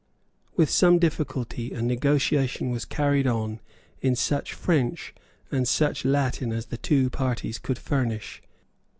With some difficulty a negotiation was carried on in such French and such Latin as the two parties could furnish.